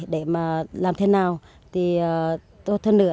để làm thế nào tốt hơn nữa